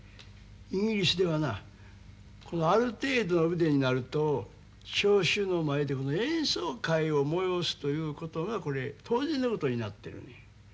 イギリスではなある程度の腕になると聴衆の前で演奏会を催すということがこれ当然のことになってるんや。